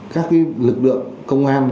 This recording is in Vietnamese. các cái lực lượng công an